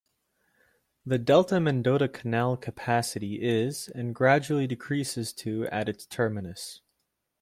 The Delta-Mendota Canal capacity is and gradually decreases to at its terminus.